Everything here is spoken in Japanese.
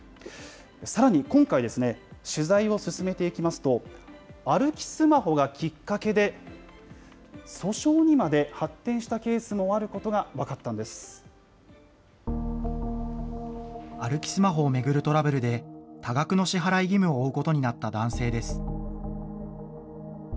さらに今回、取材を進めていきますと、歩きスマホがきっかけで、訴訟にまで発展したケースもある歩きスマホを巡るトラブルで、多額の支払い義務を負うことになった男性です。